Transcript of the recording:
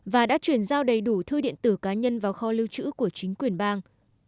và đã chuyển giao đầy đủ thư điện tử cá nhân vào kho lưu trữ của chính quyền bang